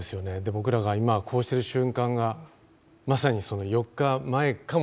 僕らが今こうしてる瞬間がまさにその４日前かもしれない。